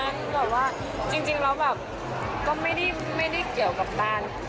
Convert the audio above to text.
แต่ว่าจริงแล้วก็ไม่ได้เกี่ยวกับตาน